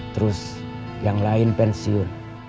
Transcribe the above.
terus yang lain pensiun